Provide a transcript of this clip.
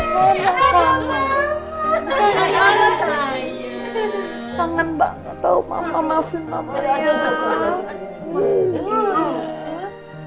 kangen banget tau mama maafin mama ya